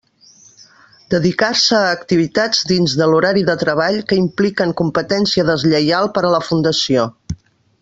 Dedicar-se a activitats dins de l'horari de treball que impliquen competència deslleial per a la fundació.